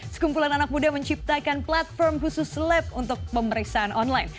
sekumpulan anak muda menciptakan platform khusus lab untuk pemeriksaan online